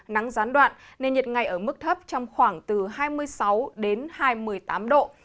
nắng gián đoạn nền nhiệt ngày ở mức thấp trong khoảng từ hai mươi sáu hai mươi tám độ